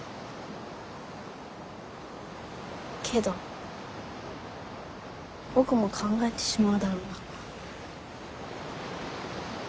けど僕も考えてしまうだろうな。